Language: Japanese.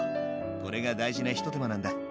これが大事な一手間なんだ。